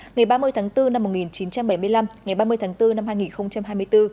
ngày ba mươi tháng bốn năm một nghìn chín trăm bảy mươi năm ngày ba mươi tháng bốn năm hai nghìn hai mươi bốn